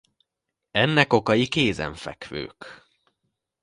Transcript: Ennek okai kézenfekvők.